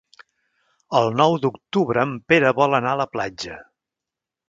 El nou d'octubre en Pere vol anar a la platja.